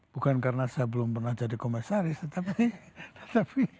bukan karena saya belum pernah jadi komisaris tetapi